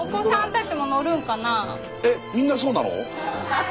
えっみんなそうなの？